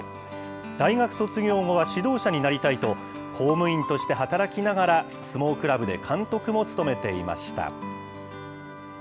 大学卒業後は指導者になりたいと、公務員として働きながら、相撲クラブで監督も務めていました。